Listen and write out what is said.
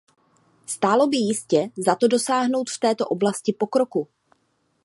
Stálo by jistě za to dosáhnout v této oblasti pokroku.